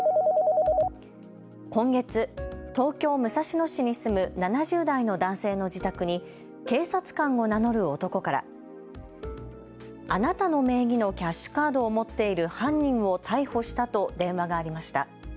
今月、東京・武蔵野市に住む７０代の男性の自宅に警察官を名乗る男からあなたの名義のキャッシュカードを持っている犯人を逮捕したと電話がありました。